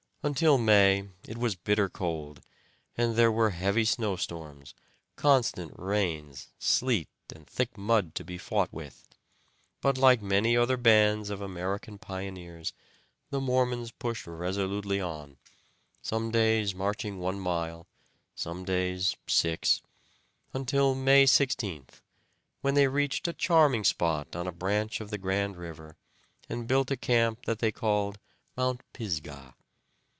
Until May it was bitter cold, and there were heavy snow storms, constant rains, sleet, and thick mud to be fought with, but like many other bands of American pioneers the Mormons pushed resolutely on, some days marching one mile, some days six, until May 16th, when they reached a charming spot on a branch of the Grand River, and built a camp that they called "Mount Pisgah."